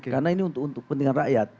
karena ini untuk kepentingan rakyat